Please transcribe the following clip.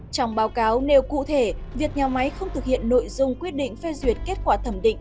trong báo cáo nêu cụ thể việc nhà máy không thực hiện nội dung quyết định phê duyệt kết quả thẩm định